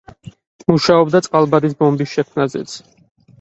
მუშაობდა წყალბადის ბომბის შექმნაზეც.